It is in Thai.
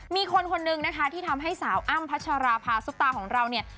มีคนคนนึงนะคะที่ทำให้สาวอ้ำพัชราภาซุปตาของเราเนี่ย